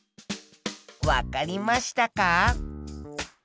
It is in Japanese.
わかりましたか？